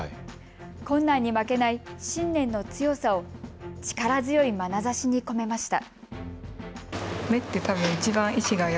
困難に負けない信念の強さを力強いまなざしに込めました。